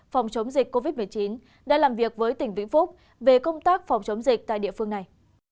phòng chống dịch covid một mươi chín đã làm việc với tỉnh vĩnh phúc về công tác phòng chống dịch tại địa phương này